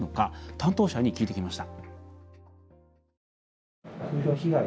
担当者に聞いてきました。